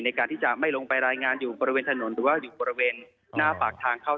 ในการที่จะไม่ลงไปรายงานอยู่บริเวณถนนหรือว่าอยู่บริเวณหน้าปากทางเข้า